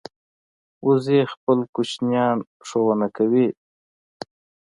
وزې خپل کوچنیان ښوونه کوي